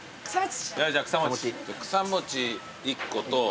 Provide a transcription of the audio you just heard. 草餅１個と。